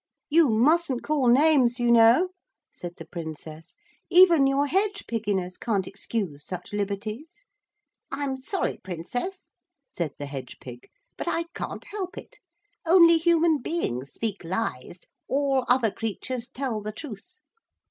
'You mustn't call names, you know,' said the Princess, 'even your hedge pigginess can't excuse such liberties.' 'I'm sorry, Princess,' said the hedge pig, 'but I can't help it. Only human beings speak lies; all other creatures tell the truth.